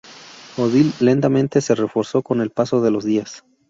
Odile lentamente se reforzó con el paso de los días.